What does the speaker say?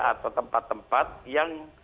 atau tempat tempat yang